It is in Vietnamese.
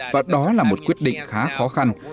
và đó là một quyết định khá khó khăn